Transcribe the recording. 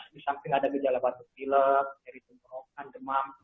di samping ada gejala batuk gilek karyotenggorokan demam